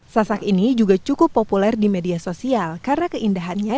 sasak ini juga cukup populer di media sosial karena keindahannya